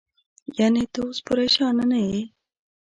یعنې، ته اوس پرېشانه نه یې؟